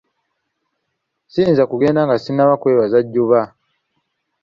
Siyinza kugenda nga sinaba kwebaza Jjuba.